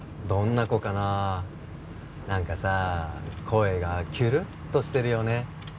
どんな子かな何かさ声がきゅるっとしてるよね